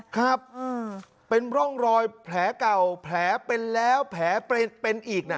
ครับเป็นร่องรอยแผลเก่าแผลเป็นแล้วแผลเป็นอีกนะ